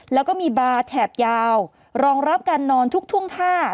แล้วก็มีบาร์แถบยาวรองรับการนอนทุกท่วงท่า